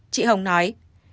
chị hồng nói